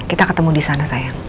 kita ketemu disana sayang